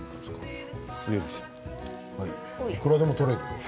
いくらでも取れるよ。